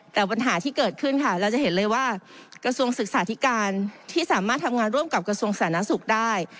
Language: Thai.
แต่ปัญหาที่เกิดขึ้นค่ะเราจะเห็นเลยว่ากระทรวงศึกษาธิการที่สามารถทำงานร่วมกับกระทรวงสาธารณสุขได้